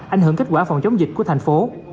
ảnh hưởng kết quả phòng chống dịch của thành phố